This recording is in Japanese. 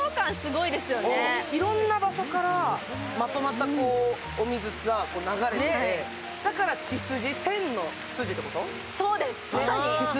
いろんな場所からまとまったお水が流れて、だから千条、千のすじってこと？